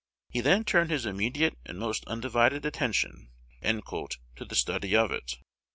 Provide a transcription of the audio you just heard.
"He then turned his immediate and most undivided attention" to the study of it.